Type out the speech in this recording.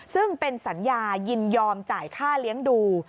ซึ่งเป็นสัญญายินยอมจ่ายค่าเลี้ยงดู